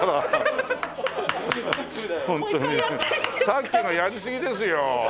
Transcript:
さっきのはやりすぎですよ。